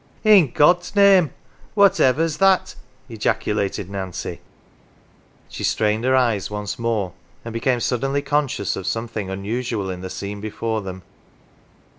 " In God's name, whatever^ that ?" ejaculated Nancy. She strained her eyes once more, and became sud denly conscious of something unusual in the scene before them.